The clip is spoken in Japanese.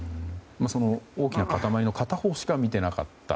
大きな固まりの片方しか見ていなかった。